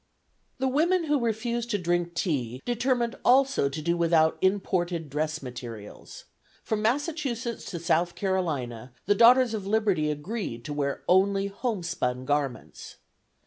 The women who refused to drink tea determined also to do without imported dress materials. From Massachusetts to South Carolina, the Daughters of Liberty agreed to wear only homespun garments.